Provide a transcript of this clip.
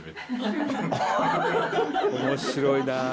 「面白いなあ」